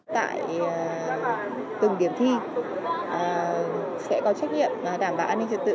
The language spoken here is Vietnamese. tại từng điểm thi sẽ có trách nhiệm đảm bảo an ninh trật tự